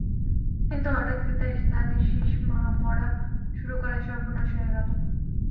কিন্তু হঠাৎ খেতে ধানের শিষ মরা শুরু করায় সর্বনাশ হয়ে গেল।